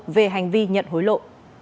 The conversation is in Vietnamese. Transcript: về hành vi nhận hối lộ